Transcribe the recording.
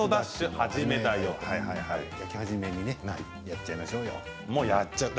初めにやっちゃいましょうよ。